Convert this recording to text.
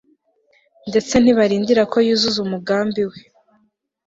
ndetse ntibarindira ko yuzuza umugambi we